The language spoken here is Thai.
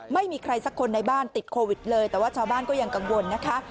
ไม่มีใครสักคนในบ้านติดโควิดเลยแต่ว่าชาวบ้านก็ยังกังวลนะคะ